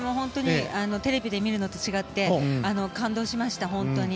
テレビで見るのと違って感動しました、本当に。